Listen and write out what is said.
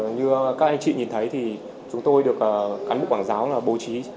như các anh chị nhìn thấy thì chúng tôi được cán bộ quảng giáo bố trí